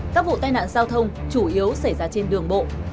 các vụ tai nạn giao thông chủ yếu xảy ra trên đường bộ